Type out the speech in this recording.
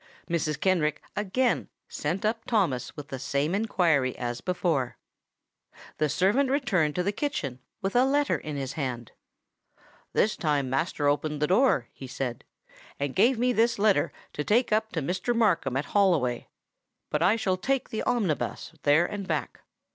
Mrs. Kenrick again sent up Thomas with the same inquiry as before. The servant returned to the kitchen with a letter in his hand. "This time master opened the door," he said; "and gave me this letter to take up to Mr. Markham at Holloway. But I shall take the omnibus there and back."